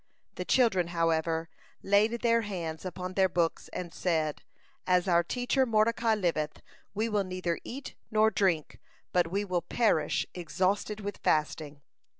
The children, however, laid their hands upon their books, and said: "As our teacher Mordecai liveth, we will neither eat nor drink, but we will perish exhausted with fasting."